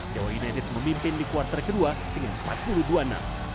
dewa united memimpin di quarter ke dua dengan empat puluh dua enam